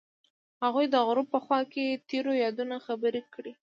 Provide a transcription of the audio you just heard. هغوی د غروب په خوا کې تیرو یادونو خبرې کړې.